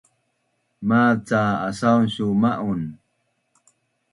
Maz ca asaun su ma’un?